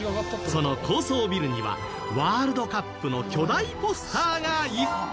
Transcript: その高層ビルにはワールドカップの巨大ポスターがいっぱい！